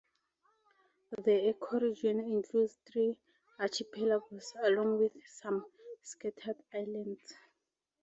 The ecoregion includes three archipelagos along with some scattered islands.